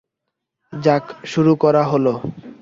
যাক, শুরু করা হলো।